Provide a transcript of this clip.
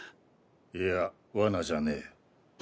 いや罠じゃねぇ。